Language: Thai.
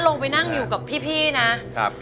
โดยไม่รู้สึกรับมีผลอาศัย